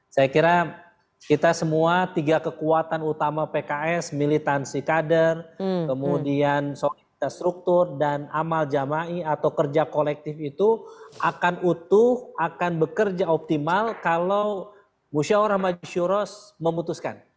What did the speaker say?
saya kira kita semua tiga kekuatan utama pks militansi kader kemudian soal struktur dan amal jamai atau kerja kolektif itu akan utuh akan bekerja optimal kalau musyawarah majisyuro memutuskan